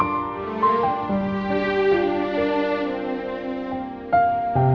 aku gak bisa tidur semalaman